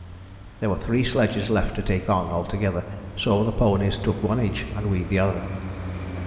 There were three sledges left to take on altogether, so the ponies took one each and we the other.